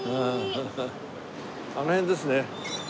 あの辺ですね。